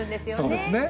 そうですね。